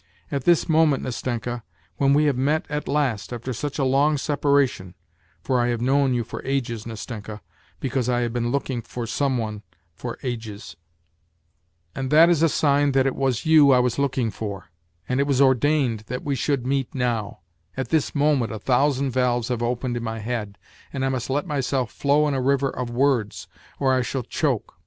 At this moment, Nastenka, when we have met at last after such a long separation for I have known you for ages, Nastenka, because 16 WHITE NIGHTS I have been looking for some one for ages, and that is a sign that it was you I was looking for, and it was ordained that we should meet now at this moment a thousand valves have opened in my head, and I must let myself flow in a river of words, or I shall choke.